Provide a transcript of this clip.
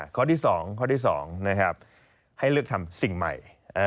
ข้อที่๒ให้เลือกทำสิ่งใหม่